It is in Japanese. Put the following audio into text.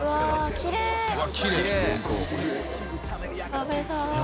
食べたい。